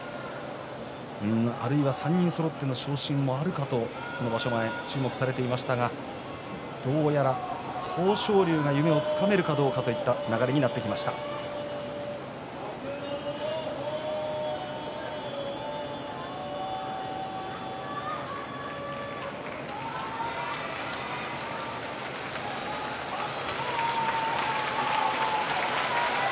あるいは３人そろっての昇進もあるかとこの場所前注目されていましたがどうやら豊昇龍が夢をつかめるかどうかといった豊昇龍に伯桜鵬。